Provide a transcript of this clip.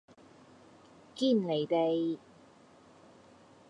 堅離地